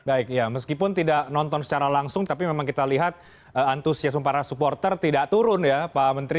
baik ya meskipun tidak nonton secara langsung tapi memang kita lihat antusiasme para supporter tidak turun ya pak menteri